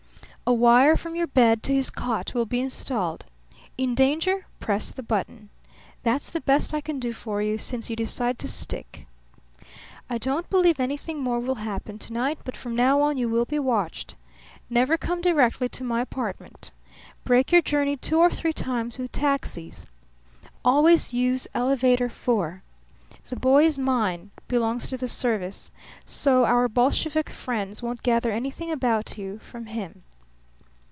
A wire from your bed to his cot will be installed. In danger, press the button. That's the best I can do for you, since you decide to stick. I don't believe anything more will happen to night, but from now on you will be watched. Never come directly to my apartment. Break your journey two or three times with taxis. Always use Elevator Four. The boy is mine; belongs to the service. So our Bolshevik friends won't gather anything about you from him."